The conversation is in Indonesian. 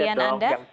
pada klien anda